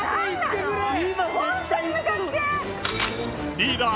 リーダー